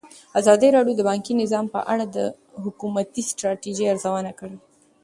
ازادي راډیو د بانکي نظام په اړه د حکومتي ستراتیژۍ ارزونه کړې.